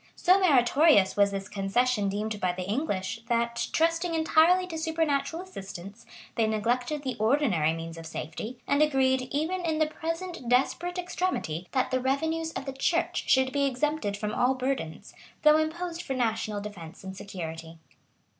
[] So meritorious was this concession deemed by the English, that, trusting entirely to supernatural assistance, they neglected the ordinary means of safety; and agreed, even in the present desperate extremity, that the revenues of the church should be exempted from all burdens, though imposed for national defence and security.